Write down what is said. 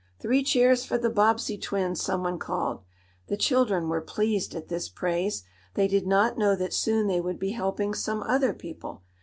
"Three cheers for the Bobbsey twins!" someone called. The children were pleased at this praise. They did not know that soon they would be helping some other people.